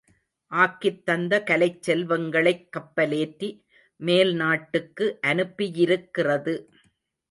ஆக்கித் தந்த கலைச் செல்வங்களைக் கப்பலேற்றி மேல் நாட்டுக்கு அனுப்பியிருக்கிறது.